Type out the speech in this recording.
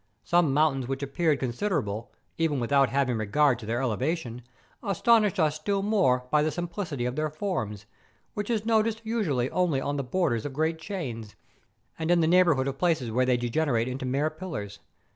Some mountains which appeared considerable, even without having re¬ gard to their elevation, astonished us still more by the simplicity of their forms, which is noticed usually only on the borders of great chains, and in the neighbourhood of places where they degenerate into mere pillars.